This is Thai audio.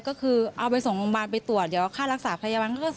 ก็คือเอาไปส่งโรงพยาบาลไปตรวจเดี๋ยวค่ารักษาพยาบาล